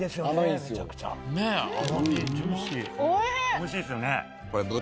おいしいですよね。